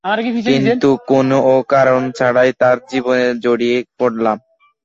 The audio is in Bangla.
কিন্তু কোনও কারণ ছাড়াই তার জীবনে জড়িয়ে পড়লাম।